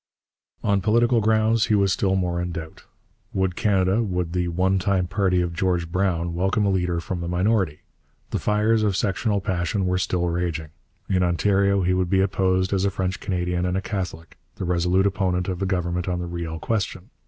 On political grounds he was still more in doubt. Would Canada, would the one time party of George Brown, welcome a leader from the minority? The fires of sectional passion were still raging. In Ontario he would be opposed as a French Canadian and a Catholic, the resolute opponent of the Government on the Riel question.